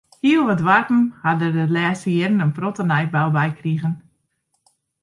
Hiel wat doarpen ha der de lêste jierren in protte nijbou by krige.